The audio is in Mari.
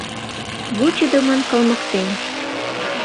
Вучыдымын кылмыктен.